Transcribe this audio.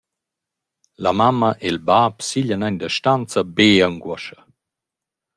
La mamma e’l bap siglian aint da stanza be anguoscha.